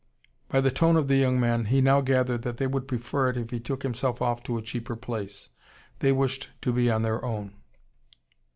By the tone of the young men, he now gathered that they would prefer it if he took himself off to a cheaper place. They wished to be on their own.